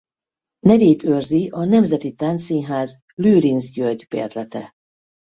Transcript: Nevét őrzi a Nemzeti Táncszínház Lőrinc György-bérlete.